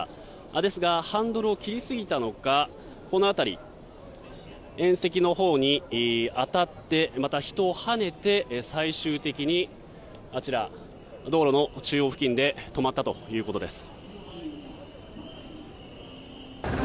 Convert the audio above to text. ですがハンドルを切りすぎたのかこの辺り、縁石のほうに当たってまた人をはねて、最終的にあちら道路の中央付近で止まったということです。